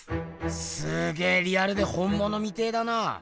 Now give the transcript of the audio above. すげぇリアルで本ものみてぇだな。